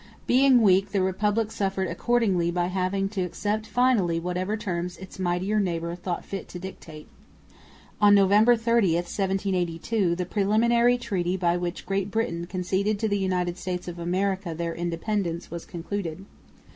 Being weak, the Republic suffered accordingly by having to accept finally whatever terms its mightier neighbour thought fit to dictate. On November 30, 1782, the preliminary treaty by which Great Britain conceded to the United States of America their independence was concluded.